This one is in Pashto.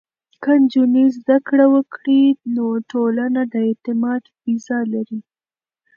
که نجونې زده کړه وکړي، نو ټولنه د اعتماد فضا لري.